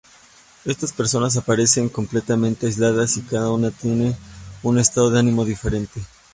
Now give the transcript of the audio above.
Estas personas aparecen completamente aisladas, y cada una tiene un estado de ánimo diferente.